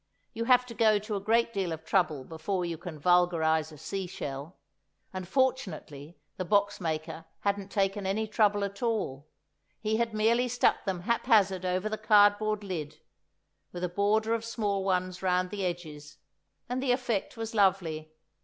You have to go to a great deal of trouble before you can vulgarise a sea shell; and, fortunately, the box maker hadn't taken any trouble at all; he had merely stuck them haphazard over the cardboard lid, with a border of small ones round the edges, and the effect was lovely.